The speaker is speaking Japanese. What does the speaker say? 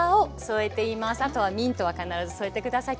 あとはミントは必ず添えて下さい。